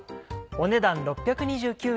お値段６２９円。